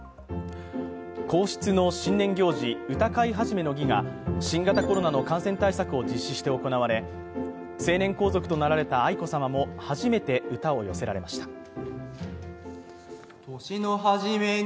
皇室の新年行事、歌会始の儀が新型コロナの感染対策を実施して行われ成年皇族となられた愛子さまも初めて歌を寄せられました。